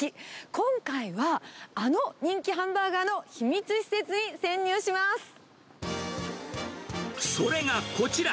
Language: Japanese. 今回はあの人気ハンバーガーの秘それがこちら。